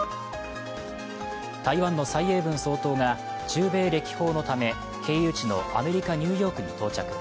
台湾の蔡英文総統が中米歴訪のため経由地のアメリカ・ニューヨークに到着。